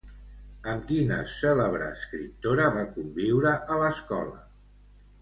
Amb quina cèlebre escriptora va conviure a l'escola?